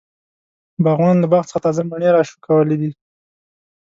باغوان له باغ څخه تازه مڼی راشکولی دی.